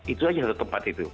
itu saja tempat itu